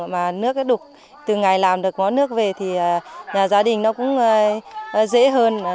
mà nước đục từng ngày làm được món nước về thì nhà gia đình nó cũng dễ hơn